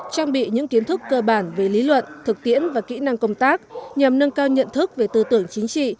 trang bị những kiến thức cơ bản về lý luận thực tiễn và kỹ năng công tác nhằm nâng cao nhận thức về tư tưởng chính trị